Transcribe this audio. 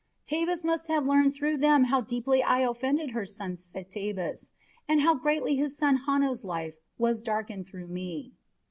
Tabus must have learned through them how deeply I offended her son Satabus, and how greatly his son Hanno's life was darkened through me.